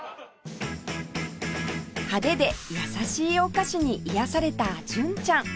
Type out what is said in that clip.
派手で優しいお菓子に癒やされた純ちゃん